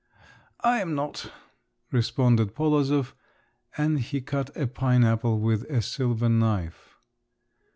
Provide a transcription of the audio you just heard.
"I'm not," responded Polozov, and he cut a pine apple with a silver knife.